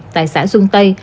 tại xã xuân tây